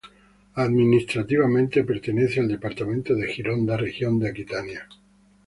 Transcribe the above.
Administrativamente, pertenece al departamento de Gironda, región de Aquitania.